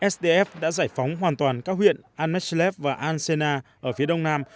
sdf đã giải phóng hoàn toàn các huyện al meshlef và al sena ở phía đông nam